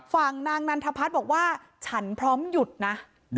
ฝั่งนางนันทพัฒน์บอกว่าฉันพร้อมหยุดนะ